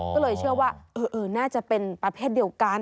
ก็เลยเชื่อว่าน่าจะเป็นประเภทเดียวกัน